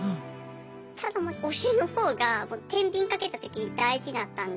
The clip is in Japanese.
ただまあ推しの方がてんびんかけたとき大事だったんで。